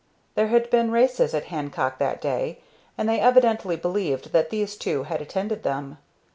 There had been races at Hancock that day, and they evidently believed that these two had attended them.